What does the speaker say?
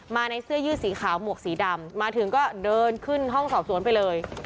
มาในเสื้อยืดสีขาวหมวกสีดำมาถึงก็เดินขึ้นห้องสอบสวนไปเลย